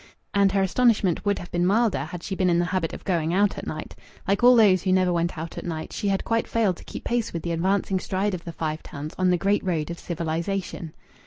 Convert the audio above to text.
And her astonishment would have been milder had she had been in the habit of going out at night. Like all those who never went out at night, she had quite failed to keep pace with the advancing stride of the Five Towns on the great road of civilization.